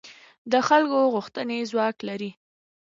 د خلکو غوښتنې ځواک لري